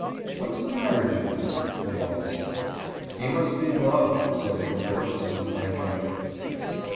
"What's the matter, Jules?" they all said. "He must be in love," said the contortionist, banteringly.